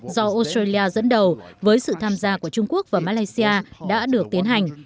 do australia dẫn đầu với sự tham gia của trung quốc và malaysia đã được tiến hành